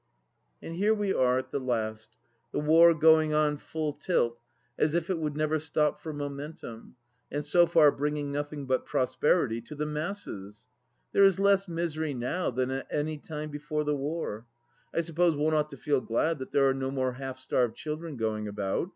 And here we are at the last — ^the war going on full tilt, as if it would never stop for momentum, and so far bringing nothing but prosperity to the masses. There is less misery now than at any time before the war. I suppose one ought to feel glad that there are no more half starved children going about.